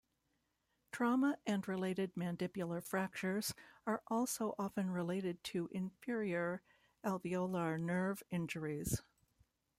Trauma and related mandibular fractures are also often related to inferior alveolar nerve injuries.